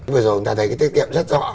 bây giờ chúng ta thấy cái tiết kiệm rất rõ